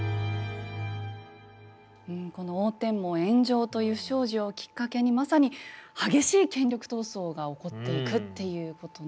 この応天門炎上という不祥事をきっかけにまさに激しい権力闘争が起こっていくっていう事なんですね。